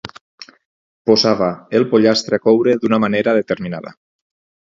Posava el pollastre a coure d'una manera determinada.